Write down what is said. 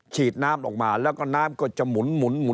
ฉีดน้ำออกมาแล้วก็น้ำก็จะหมุน